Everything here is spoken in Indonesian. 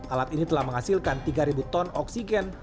alat ini telah menghasilkan tiga ton oksigen